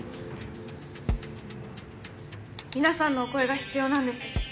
皆さんのお声が必要なんです。